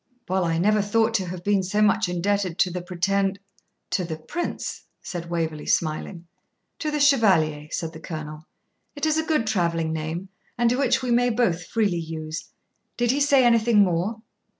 "' 'Well, I never thought to have been so much indebted to the Pretend ' 'To the Prince,' said Waverley, smiling. 'To the Chevalier,' said the Colonel; 'it is a good travelling name, and which we may both freely use. Did he say anything more?'